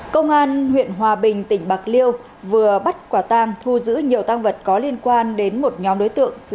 công an huyện hòa bình tỉnh bạc liêu vừa bắt quả tang thu giữ nhiều tăng vật có liên quan đến một nhóm đối tượng